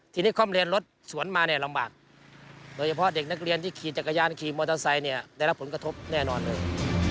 ทีนี้ความเรียนรถสวนมาเนี่ยลำบากโดยเฉพาะเด็กนักเรียนที่ขี่จักรยานขี่มอเตอร์ไซค์เนี่ยได้รับผลกระทบแน่นอนเลย